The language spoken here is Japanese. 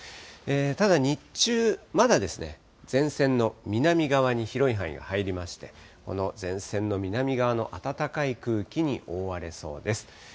ただ日中、まだ前線の南側に広い範囲が入りまして、この前線の南側の暖かい空気に覆われそうです。